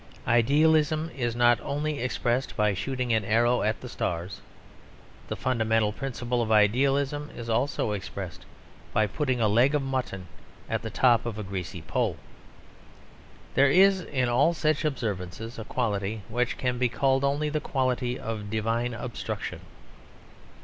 Idealism is not only expressed by shooting an arrow at the stars; the fundamental principle of idealism is also expressed by putting a leg of mutton at the top of a greasy pole. There is in all such observances a quality which can be called only the quality of divine obstruction.